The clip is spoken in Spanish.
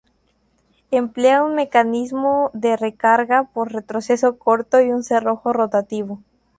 Emplea un mecanismo de recarga por retroceso corto y un cerrojo rotativo.